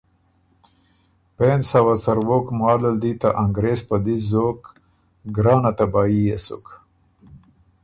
پېنځ سوه څرووک مال ال دی ته انګرېز په دِس زوک، ګرانه تبايي يې سُک۔